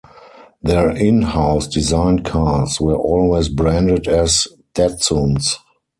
Their in-house-designed cars were always branded as "Datsuns".